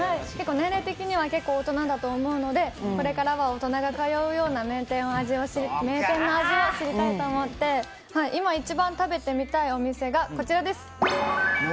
年齢的には大人だと思うのでこれからは大人が通うような名店の味を知りたいと思って今一番食べてみたいお店がこちらです。